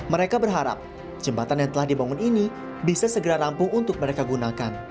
mereka berharap jembatan yang telah dibangun ini bisa segera rampung untuk mereka gunakan